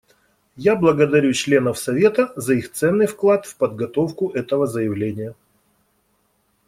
Я благодарю членов Совета за их ценный вклад в подготовку этого заявления.